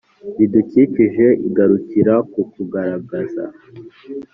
bidukikije igarukira ku kugaragaza